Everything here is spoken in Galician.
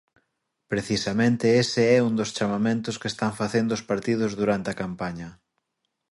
Precisamente ese é un dos chamamentos que están facendo os partidos durante a campaña.